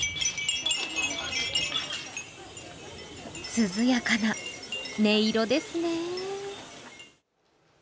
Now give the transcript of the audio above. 涼やかな音色ですね。